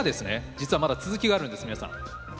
実はまだ続きがあるんです皆さん。